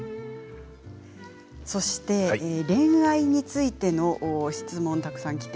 そして恋愛についての質問たくさん来て。